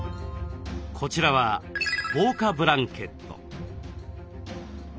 こっちは防火ブランケット。